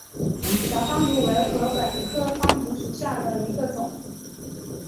小方竹为禾本科方竹属下的一个种。